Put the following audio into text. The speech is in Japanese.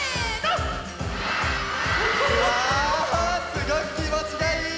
すごくきもちがいい！